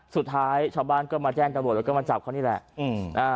สุดท้ายชาวบ้านก็มาแจ้งการบทแล้วก็มาจับเขานี่แหละ